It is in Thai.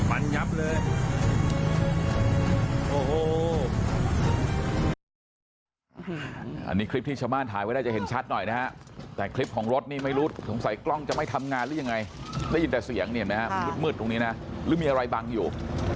อันนี้โอ้โหอันนี้คลิปที่ชาวบ้านถ่ายไว้ได้จะเห็นชัดหน่อยนะฮะแต่คลิปของรถนี่ไม่รู้สงสัยกล้องจะไม่ทำงานหรือยังไงได้ยินแต่เสียงนี่เห็นไหมฮะมันมืดตรงนี้นะหรือมีอะไรบังอยู่